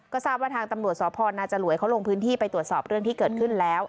ก็ทราบว่าทางตำรวจสพนาจรวยเขาลงพื้นที่ไปตรวจสอบเรื่องที่เกิดขึ้นแล้ว